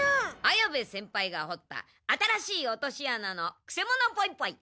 綾部先輩がほった新しいおとしあなのくせ者ポイポイ。